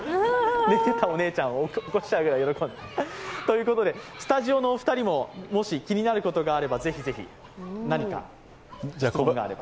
寝ていたお姉ちゃんを起こしちゃうぐらい喜んだと。ということでスタジオのお二人も、もし気になることがあればぜひぜひ何か、質問があれば。